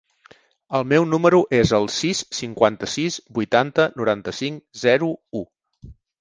El meu número es el sis, cinquanta-sis, vuitanta, noranta-cinc, zero, u.